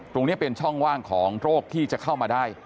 ตรงนี้เป็นช่องว่างของโรคที่จะเข้ามาได้